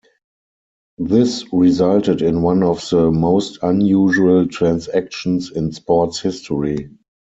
This resulted in one of the most unusual transactions in sports history.